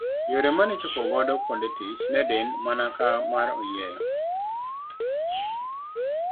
Yore mane ichopo godo kuonde tich ne diny mana ka mar oyieyo.